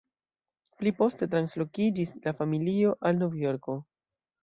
Pli poste translokiĝis la familio al Novjorko.